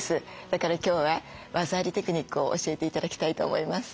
だから今日は技ありテクニックを教えて頂きたいと思います。